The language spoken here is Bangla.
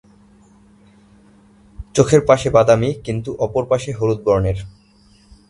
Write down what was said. চোখের পাশে বাদামি, কিন্তু অপর পাশে হলুদ বর্ণের।